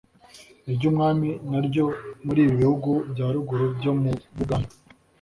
iry’umwami naryo muri ibi bihugu bya ruguru byo mu buganda